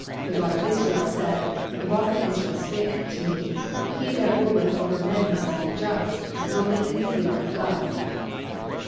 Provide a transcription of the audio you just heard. The God of Israel said, the Rock of Israel spake to me, He that ruleth over men must be just, ruling in the fear of God."